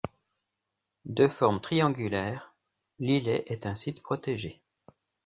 De forme triangulaire, l'îlet est un site protégé.